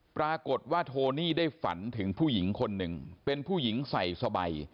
ปรากฏว่าโทนี่ได้ฝันถึงผู้หญิงคนหนึ่งเป็นผู้หญิงใส่สบาย